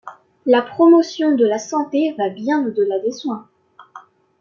La promotion de la santé va bien au-delà des soins.